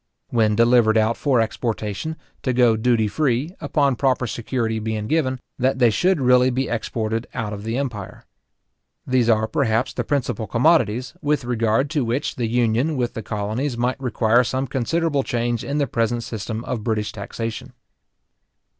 When delivered out for exportation, to go duty free, upon proper security being given, that they should really be exported out of the empire. These are, perhaps, the principal commodities, with regard to which the union with the colonies might require some considerable change in the present system of British taxation.